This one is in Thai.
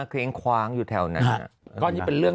คืออ้งคว้างอยู่แถวนั้น